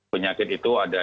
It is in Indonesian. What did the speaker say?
penyakit itu ada